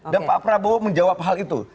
dan pak prabowo menjawab hal itu